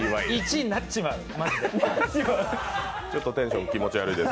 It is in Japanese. １位になっちまう、マジで。